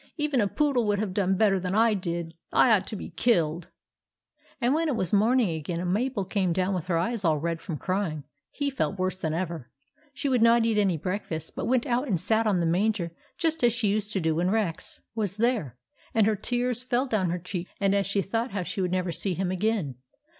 " Even a poodle would have done better than I did. I ought to be killed." And when it was morning again, and Mabel came down with her eyes all red from crying, he felt worse than ever. She would not eat any breakfast, but went out and sat on the manger just as she used to do when Rex 56 THE ADVENTURES OF MABEL was there ; and her tears fell down her cheeks as she thought how she would never see him again.